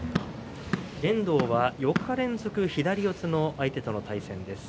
遠藤は４日連続左四つの相手との対戦です。